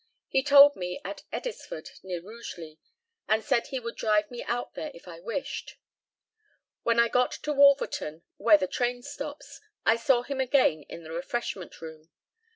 He told me at Eddisford, near Rugeley, and said he would drive me out there if I wished. When I got to Wolverton, where the train stops, I saw him again in the refreshment room.